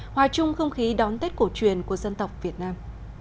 hòa chung không khí đón tết cổ truyền của dân tộc việt nam